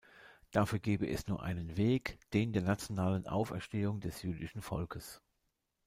Dafür gebe es nur einen Weg, den der nationalen Auferstehung des jüdischen Volkes.